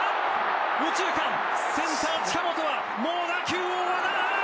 右中間、センター、近本はもう打球を追わない！